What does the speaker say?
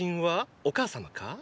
お母様か？